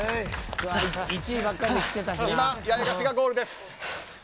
今、八重樫がゴールです。